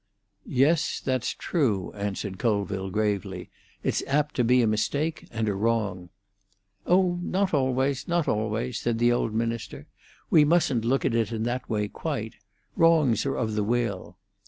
"Yes, that's true," answered Colville gravely. "It's apt to be a mistake and a wrong." "Oh, not always—not always," said the old minister. "We mustn't look at it in that way quite. Wrongs are of the will."